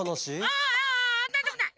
ああなんでもない！